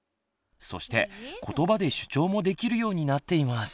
そしてことばで主張もできるようになっています。